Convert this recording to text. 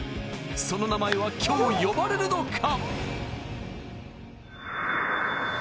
その名前は今日、呼ばれるのか？